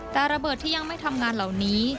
แต่ระเบิดที่ยังไม่ทำงานเหล่านี้